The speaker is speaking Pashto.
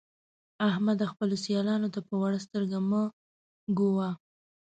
احمده! خپلو سيالانو ته په وړه سترګه مه ګوه.